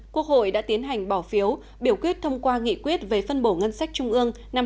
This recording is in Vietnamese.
quốc hội đã tiến hành bỏ phiếu biểu quyết thông qua nghị quyết về phân bổ ngân sách trung ương năm hai nghìn hai mươi